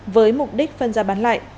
với mục đích phân ra bán lại